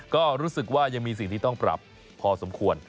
ก็รู้สึกว่ายังมีสิ่งที่ต้องปรับพอสมควร